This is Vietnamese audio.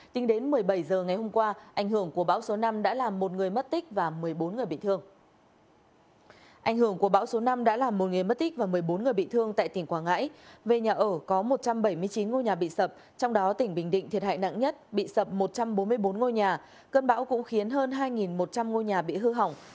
bình định thiệt hại nặng nhất bị sập một trăm bốn mươi bốn ngôi nhà cơn bão cũng khiến hơn hai một trăm linh ngôi nhà bị hư hỏng